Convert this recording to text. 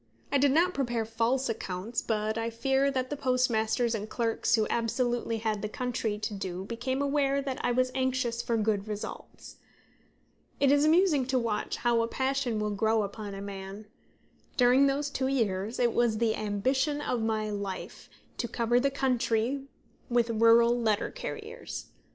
I did not prepare false accounts; but I fear that the postmasters and clerks who absolutely had the country to do became aware that I was anxious for good results. It is amusing to watch how a passion will grow upon a man. During those two years it was the ambition of my life to cover the country with rural letter carriers.